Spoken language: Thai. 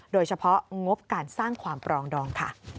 โดยเฉพาะงบการสร้างความประลองดอง